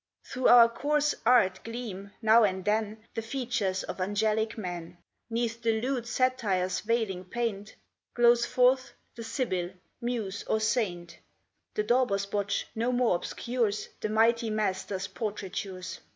Through our coarse art gleam, now and then, The features of angelic men; 'Neath the lewd Satyr's veiling paint Glows forth the Sibyl, Muse, or Saint; The dauber's botch no more obscures The mighty Master's portraitures.